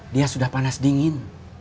dia sudah panas dingin